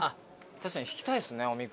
確かに引きたいですねおみくじ。